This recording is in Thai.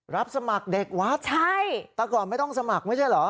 รับสมัครเด็กวัดใช่แต่ก่อนไม่ต้องสมัครไม่ใช่เหรอ